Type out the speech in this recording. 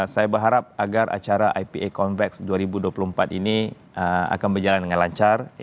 saya berharap agar acara ipa convex dua ribu dua puluh empat ini akan berjalan dengan lancar